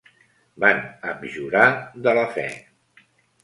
Van abjurar de la fe.